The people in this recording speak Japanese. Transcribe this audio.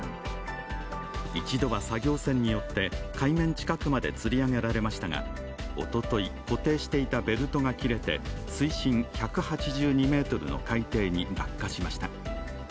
一度は作業船によって海面近くまでつり上げられましたが、おととい、固定していたベルトが切れて水深１８２ｍの海底に落下しました。